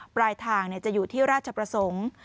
ปลายทางจะอยู่ที่ราชประสงค์